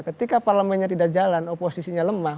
ketika parlemennya tidak jalan oposisinya lemah